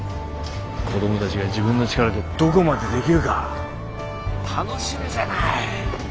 子供たちが自分の力でどこまでできるか楽しみじゃない。